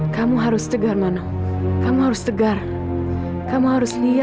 sampai jumpa di video selanjutnya